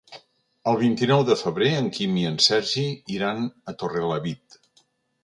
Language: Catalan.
El vint-i-nou de febrer en Quim i en Sergi iran a Torrelavit.